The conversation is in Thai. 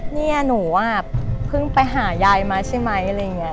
เนี่ยหนูอ่ะเพิ่งไปหายายมาใช่ไหมอะไรอย่างนี้